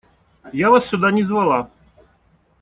Я вас сюда не звала.